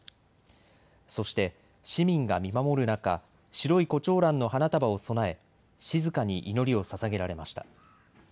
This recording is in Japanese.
そして市民が見守る中、白いこちょうらんの花束を供え静かに祈りをささげられました。